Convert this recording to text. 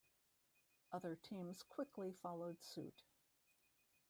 Other teams quickly followed suit.